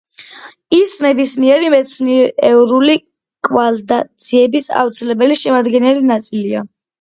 ის ნებისმიერი მეცნიერული კვლევა-ძიების აუცილებელი შემადგენელი ნაწილია.